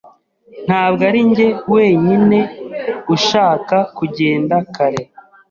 Ntabwo arinjye wenyine ushaka kugenda kare.